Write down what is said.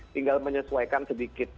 tinggal menyesuaikan sedikit